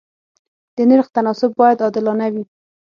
د نرخ تناسب باید عادلانه وي.